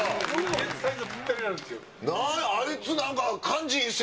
サイズがぴったりなんですよ。